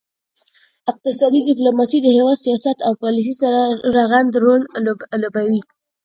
اقتصادي ډیپلوماسي د هیواد سیاست او پالیسي سره رغند رول لوبوي